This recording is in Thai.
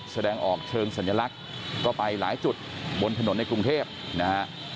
แสดงออกเชิงสัญลักษณ์ก็ไปหลายจุดบนถนนในกรุงเทพนะฮะ